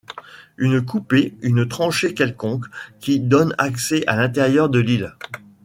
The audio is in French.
Une coupée, une tranchée quelconque, qui donne accès à l’intérieur de l’île